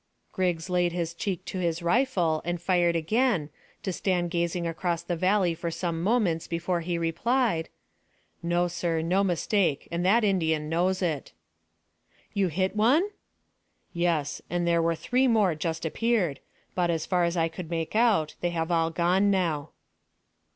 Griggs laid his cheek to his rifle, and fired again, to stand gazing across the valley for some moments before he replied "No, sir; no mistake, and that Indian knows it." "You hit one?" "Yes, and there were three more just appeared, but, as far as I could make out, they have all gone now."